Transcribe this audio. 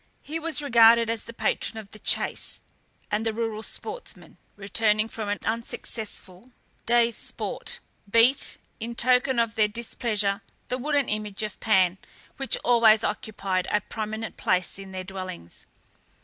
He was regarded as the patron of the chase, and the rural sportsmen, returning from an unsuccessful day's sport, beat, in token of their displeasure, the wooden image of Pan, which always occupied a prominent place in their dwellings.